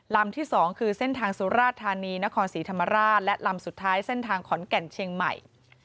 ลำที่๒คือเส้นทางสุราธานีนครศรีธรรมราชและลำสุดท้ายเส้นทางขอนแก่นเชียงใหม่